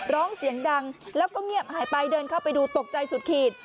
ร้องเสียงดังแล้วก็เงียบหายไปเดินเข้าไปดูตกใจสุดขีด